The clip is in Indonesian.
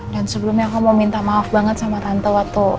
dan sebelumnya aku mau minta maaf banget sama tante wattu